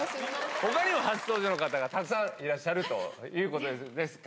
ほかにも初登場の方がたくさんいらっしゃるということですかね。